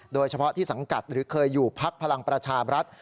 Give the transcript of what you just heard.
โดยเฉพาะที่สังกัดหรือเคยอยู่พักพลังประชาบรัฐ